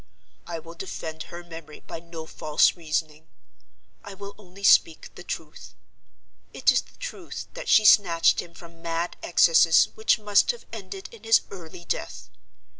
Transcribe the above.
I will defend her memory by no false reasoning—I will only speak the truth. It is the truth that she snatched him from mad excesses which must have ended in his early death.